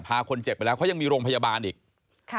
พาคนเจ็บไปแล้วเขายังมีโรงพยาบาลอีกค่ะ